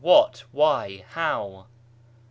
what? why ? how ?